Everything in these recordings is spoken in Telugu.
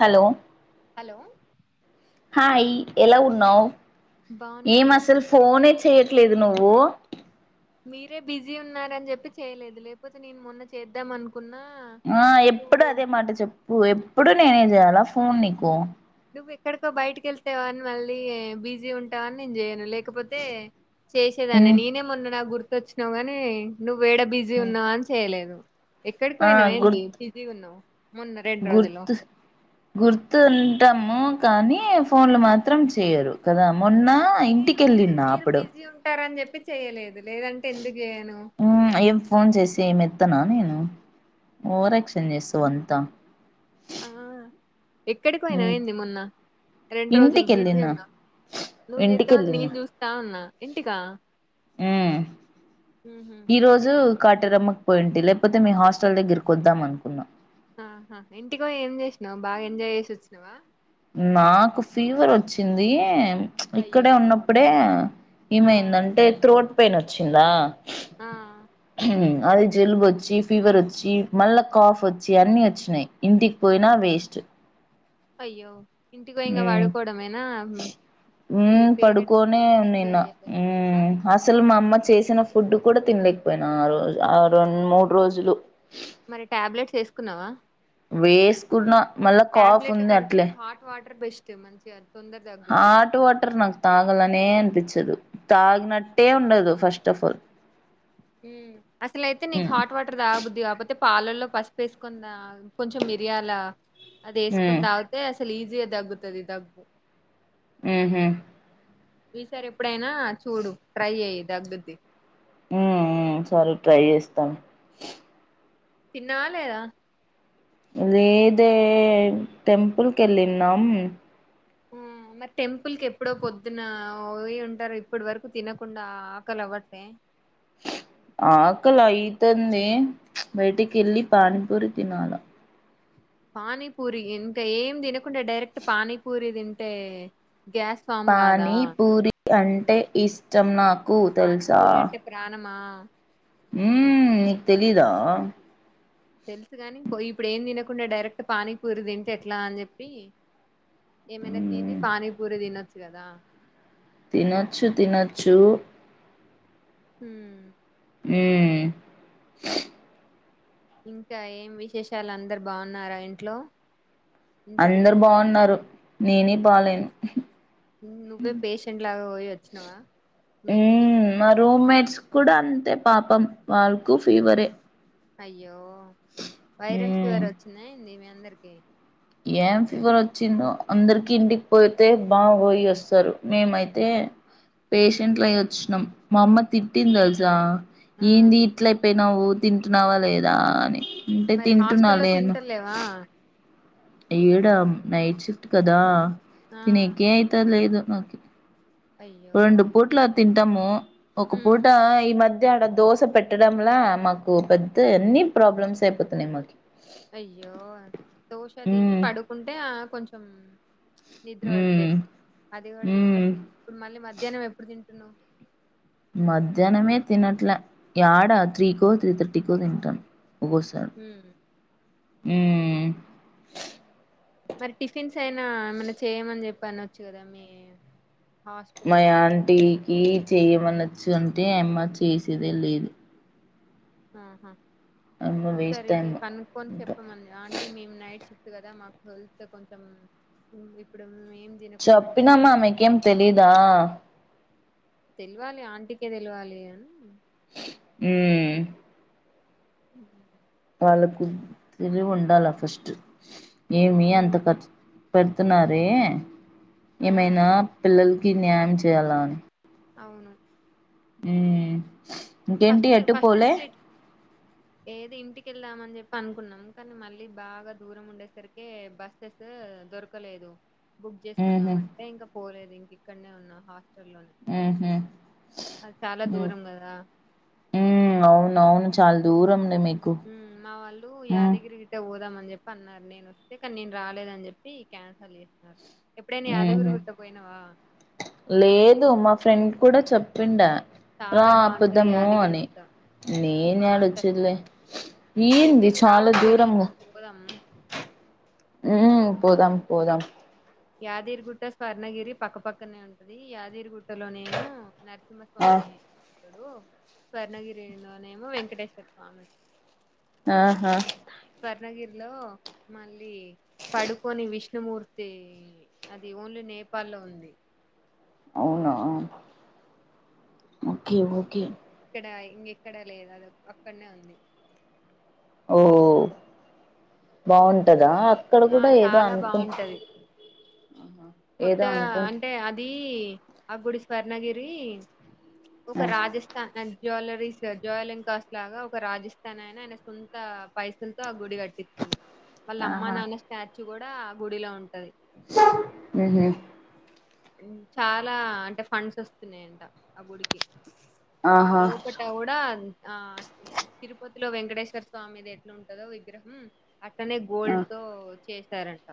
హలో హలో హయ్ ఎలా ఉన్నావు బాగున్నా ఏం మీరు అసలు ఎలా ఉన్నారు ఫోనే చెయట్లేదు నువ్వు మీరే బిజీ ఉన్నారని చెప్పి చేయలేదు లేకపోతే నేను మొన్న చేద్దామ అనుకు ఆ ఎప్పుడు అదే మాట చెప్పు ఎప్పుడు నేనే చేయల ఫోన్ నీకు నువ్ ఎక్కకో బయటకి వెళ్తవా అని మళ్ళీ బిజీ ఉంటావా అని నేను చేయను లేక లేకపోతే ఉమ్ చేసేదాన్ని నేనే మొన్న నా గుర్తు వచ్చినావు కానీ నువ్ ఎడ బిజీ ఉన్నావా అని చేయలేదు ఎక్కడికి ఆ పోయినావే ఏంది గుర్తు బిజీగా ఉన్నాం గుర్తు గుర్తుంటము కానీ ఫోన్లు మాత్రం చేయరు కదా మొన్నా ఇంటికెళ్ళిన అప్పుడు చెయలేదు ఏం ఫోన్ చేసి ఏంమెత్తనా నేను [inaudible] ఓవరాక్షన్ చేస్తావన్నీ త్తా ఆ ఎక్కడికి పోయినా ఏంది మొన్న రెండు రోజులు బిజీ ఇంటికెళ్ళిన ఉన్నావు నువ్వు చేద్దావని ఇంటికెళ్ళిన నేను చూస్తా ఉన్నా ఇంటికా హ్మ్ ఊహు ఈ రోజు కాటరమ్మ పోయింటి లేకపోతే మీ హాస్టల్ దగ్గరకి వద్దాం అనుకున్నా ఆహా ఇంటికి ఏం చేసినా్ బాగా ఎంజాయ్ చేసి వచ్చినావా నాకు ఫీవర్ వచ్చింది ఇక్కడే అయ్యో ఉన్నప్పుడే ఆ ఏమైందంటే త్రోట్ పెయిన్ వచ్చిందా ఆ అదిే జలుబు వచ్చి ఫీవర్ వచ్చి మళ్ళా కాఫ్ వచ్చి అన్ని వచ్చినాయి ఇంటికి పోయినా వేస్ట్ అయ్యో ఇంటికి పోయి ఇంగ పడుకోవడమేనా మ్, మీ మ్మ్ పేరెంట్స్ తో పడుకోనే ఉంటే నిన్న ఎంజాయ్ చేయలేదు ఆ అసలు మా అమ్మ చేసిన ఫుడ్ కూడా తినలేకపోయినా ఆ రోజు ఆ రెండు మూడు రోజులు మరి టాబ్లెట్స్ వేసుకున్నావా వేసుకున్న మళ్ళా కాఫ్ టాబ్లెట్ల ఉంది కంటే హాట్ వాటర్ బెస్ట్ మంచిగా తొందర తగ్గుద్ది హట్ వాటర్ నాకు తగలనే అన్పచ్చ తాగినట్టే ఉండదు ఫస్ట్ ఆఫ్ ఆల్ మ్మ్ అసలు అయితే నీకు హ్మ్ హాట్ వాటర్ దా బుద్ధి కాపోతే పాలల్లో పసుపుేసుకుందా కొంచెం మిరియాల అది హ్మ్ వేసుకుని అగితే అసలు ఈజిగా తగుతది దగ్గు మ్మ్ హ్మ్ ఈసారి ఎప్ప ఇప్పుడైనా చూడు ట్రై చెయ్ తగ్గద్ది మ్మ్ హ్మ్ సరే ట్రై చేస్తాం తిన్నవా లేదా లేదే టెంపుల్ కి వెళ్ళిన్నాం ఆ మరి టెంపుల్ క ఎప్పుడో పొద్దున పో ఉంటారు ఇప్పటి వరకు తినకుండా ఆకలి అవ్వట్లే ఆకలి అయితంది బయటికి వెళ్ళి పానీపూరి తినాల పానీపూరి ఇంకా ఏం తినకుంటే డైరెక్ట్ పానీపూరి తింటే గ్యాస్ ఫామ్ కాదా పానీపూరి అంటే ఇష్టం నాకు పానీపూరి అంటే ప్రాణమా ఆ మ్మ్ నిక్ తెలీదా తెలుసు కాని పో ఇప్పుడు ఏం తినకుండా డైరెక్ట్ పానీపూరి తింటే ఎట్లా అని చెప్పి ఏమైన తిని హ్మ్ పాని పూర దినచ్చ కదా తినొచ్చు తినొచ్చు హ్మ్ ఎ ఇంకా ఏం విశేషాలు అందరు బాగున్నారా ఇంట్లో ఇంటికి అందరు పోయిన బాగున్నారు నేనే బాలేను నువ్వే పేషెంట్ లాగా పోయి వచ్చినవా మీ ఇంటికి మ్మ్ మా రూమ్మేట్స్ కూడా అంతే పాపం వాళ్ళకు ఫీవరే అయ్యో వైరల్ మ్మ్ ఫీవర్ వచ్చిందా ఏంటి మీ అందరికి అందరికే ఏం ఫీవర్ వచ్చిందో అందరికి ఇంటికి పోతే బాగా పోయి వస్తారు మేమైతే ఉమ్, పేషెంట్లు అయి వచ్చినాం మా అమ్మ తిట్టిందేలుసా ఆ ఏందీ ఇట్ల పోయినావు తింటున్నావా లేదా అని అంటే మరి హాస్టల్లో తింటున్నాాలెను తింటలేవా ఈడా నైట్ షిఫ్ట్ కదా ఆ తినకే యితల ఇదు ఓకే అయ్యో రొండు పుట్ల తిన్ తమో ఒక ఉమ్ పూట ఈ మధ్య అ ఆడ దోస పెట్టడంలా మాకు పెద్ద ఎన్ని ప్రాబ్లమ్స్ అయిపోతున్నాయి మాకి అయ్యో దోశ దిని మ్మ్ పడుకుంటే ఆ కొంచం నిద్ర పట్టది మ్మ్ అది కూడా మ్మ్ తింటారు ఇప్పుడు మళ్ళీ మధ్యాహ్నం ఎప్పుడు తింట కుుట్న మధ్యాహ్నమే తినట్లే ఏడా త్రీకో త్రీ థర్టీకో తింటాను ఒకక సార్ ఉమ్ హ్మ్ మరి టిఫిన్స్ అయినా ఏమన్నా చేయమని చెప్పి అనొచ్చు కదా మీ హాస్టల్ మై ఆంటీ ఈ చేయమన్న అంటే ఏమ చే సిదేం లేదు ఆహా అమ్మ వేస్ట్ ఒకసారి టైం ఇగ కనుక్కొని అంతా. చెప్పమను ఆంటీ మేము నైట్ సిఫ్ కదా మాకు హెల్త్ కొంచెం ఇప్పుడు ఏం తినకుండా ఉంటే చెప్పినమా బాగు మీకేం తెలీదా తెలవాలి ఆంటీకే తెలవాలి అని మ్మ్ ఉహూ లకు తెలివి ఉండాల ఫస్ట్ ఏమి ఉమ్, అంత ఖర్చు పెడుతున్నారే ఆ ఏమైనా పిల్లల్ కి న్యాయం చెయాలాను అవును మ్మ్హూ ఇంకేంటి ఫస్ట్ ఎటు ఫస్ట్ నుంచి పోలే అలా ఇట్ల- ఏది ఇంటికెళ్దామని చెప్పి అనుకున్నాం కానీ మళ్ళీ బాగా దూరం ఉండేసరికే బస్సెస్ దొరకలేదు బుక్ మ్మ్హ్మ్. చేసుకుందాంమంటే ఇంకా పోలేదు ఇంకిక్కన్నే ఉన్నా లో మ్మ్హ్మ్. అది చాలా మ్మ్. దూరం కదా మ్మ్ అవునవును చాల దూరం మ్మ్ మావాల్లు యాదగిరి గుట్ట పోదమా అని చెప్పి అన్నారు నేను వస్తే కానీ నేను రాలేదని చెప్పి క్యాన్సల్ చేసినారు ఎప్పుడైనా యాదగిరి ఉహూ గుట్ట పోయినావా లేదు మా ఫ్రెండ్ కూడా చెప్పిండా రా చాలా బాగుంటది ఆపుదము యాదగిరి అని గుట్ట నేను ఎడ బాగుంటది వచ్చేదిలే ఏంది ఎప్పుడు చాలా రావచ్చు కదా అని దూరము పోదాం మ్మ్ పోదాం పోదాం యాదిగిరిగుట్ట స్వర్ణగిరి పక్కపక్కనే ఉంటది యాదిగిరిగుట్ తలోనేమో ఆ. నరసింహస్వామి టడు స్వర్ణగిరిలోనేమో వెంకటేశ్వర స్వామి ఆహా స్వర్ణగిరిలో మళ్ళీ పడుకొని విష్ణుమూర్తి అది ఓన్లీ నేపాల్ లో ఉంది అవునా ఒకే ఒకే డ ఇంగెక్కడ లేదు అది అక్కడనే ఉంది ఓ బాగుంటదా అక్కడ ఆ కూడా ఏదో చాలా అనుకుం బాగుంటది ఏదో కొత్తగా అనుకుం అంటే అది ఆ గుడి స్వర్ణగిరి ఒక రాజస్థాన్ అం జ్యువెలరీసేట్ జ్యువెలరింగ్ కాస్ట్ లాగా ఒక రాజస్థాన్ ఆయన ఆయన సొంత పైసలతో గుడి కట్టిచిండు వాల్ ఆహా అమ్మనాన్న స్టాచ్ ది గుడా ఆ గుడి ల ఉంటది హుం హు చాలా అంటే ఫండ్స్ వస్తున్నాయంట ఆ గుడికి ఆహా లోపాటకూడ ఆ తిరుప లో వెంకటేశ్వర స్వామిది ఎంట్లుంటదో విగ్రహం కనీ ఆ గోల్డ్తో చేసారంట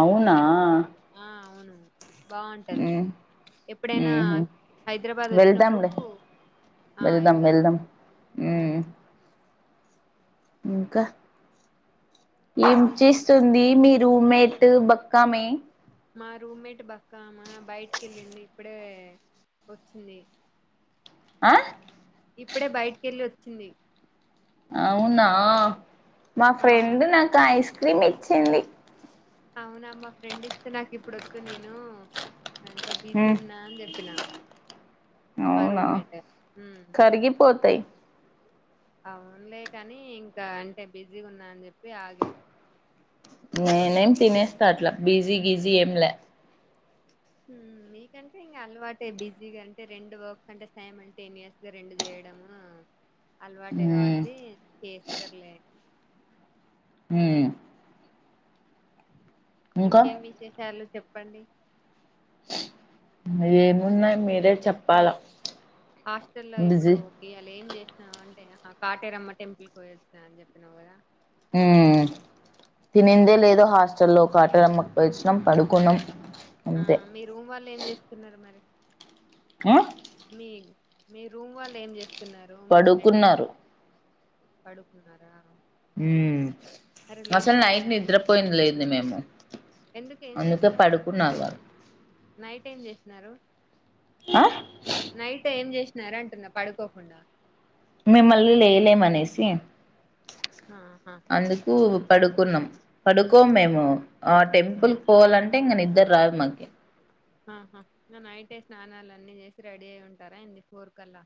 అవునా ఆ అవును బాగుంటది ఉమ్ ఎప్పుడైనా ఉహు హైదరాబాద్ వచ్చినప్పుడు వెళ్దాంలే ఆ వెళ్దాం ఉమ్ హుమ్ ఇంకా ఏం చేస్తుంది మీ రూమేట్ బక్కామే మా రూమ్మేట్ బక్కామ బయటి కెళ్ళింది ఇప్పుడే వచ్చింది ఆ ఇప్పుడే బయటికి వెళ్ళి వచ్చింది అవునా మా ఆ ఫ్రెండ్ నాకు ఐస్ క్రిమ్ ఇచ్చింది అవునామ్ మా ఫ్రెండ్ ఇస్తే నాకు ఇప్పుడు వద్దు నేను అంటే బిజీ ఉమ్ ఉన్న అని చెప్పినా అవునా హ్మ్. కరిగిపోతాయి అవునులే కానీ ఇంకా అంటే బిజీ ఉన్నా అని చెప్పి ఆగే నేనేం తినేస్తా అట్లా బిజీ గిజీ ఏంలే హు మీకంటే ఇంకా అలవాటే బిజీగా అంటే రెండు వర్క్స్ అంటే సైమ్ంటేన్యూస్గా రెండు చేయడము అలవాటే మ్మ్ కాబట్టి చేస్తరులే మ్మ్ ఇంకా ఇంకేం విశేషాలు చెప్పండి ఏమున్నా మీరే మీ చెప్పాల హాస్టల్ లా ఇప్పుడు బిజీ ఇయాల ఏం చేసినా అంటే ఇంగ ఆ కాటేరమ్మ టెంపుల్కి పోయొచ్చినా అని చెప్పినావు కదా హూమ్ తినిందే లేదు హాస్టల్లో కాటేరమ్మకు పోయిచ్చినాం పడుకున్నాం ఆ అంతే మీ రూమ్ వాళ్ళు ఏం చేస్తున్నారు మరి ఆ మి మీ రూమ్ వాళ్ళు ఏం చేస్ స్తున్నారు మీ ఫ్రెండ్స్ రూ పడుకున్నారు పడుకున్నారా హ్మ్ అరే అసలు నైట్ లేపపోయా నిద్రపోయింది లేదు మేము ఎందుకు ఏం అందుకే చేసినారు పడుకున్నాగా నైట్ ఏం చేస్తున్నారు ఆ నైట్ ఏం చేస్ న్నర అంటున్నా పడుకోకుండా మిమ్మల్ని లేలేమనేసి ఆహా అందుకు పడుకున్నాం పడుకోం మేము ఆ టెంపుల్ పోవాలంటే ఇంక నిద్దర రాదు మాకి ఆహా ఇగ నైటే స్నానాలు అన్ని చేసి రెడీ అయి ఉంటారా ఏంటి ఫోర్ కల్లా